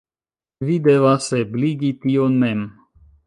Vi devas ebligi tion mem.